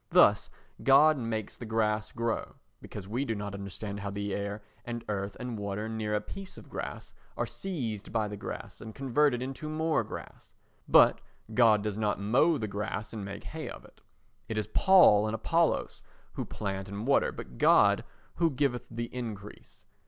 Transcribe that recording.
Thus God makes the grass grow because we do not understand how the air and earth and water near a piece of grass are seized by the grass and converted into more grass; but God does not mow the grass and make hay of it. It is Paul and Apollos who plant and water, but God who giveth the increase.